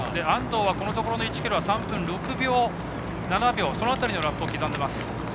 安藤は、このところの１ｋｍは３分６秒７秒その辺りのラップを刻んでいます。